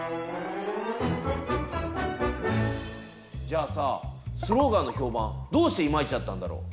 じゃあさスローガンの評判どうしてイマイチだったんだろ？